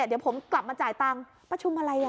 เดี๋ยวผมกลับมาจ่ายตังค์ประชุมอะไรอ่ะ